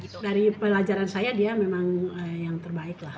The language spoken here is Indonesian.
itu dari pelajaran saya dia memang yang terbaik lah